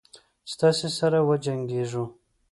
ستاسي سره به وجنګیږو.